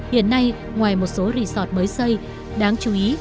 hiện nay ngoài một số resort mới xây đáng chú ý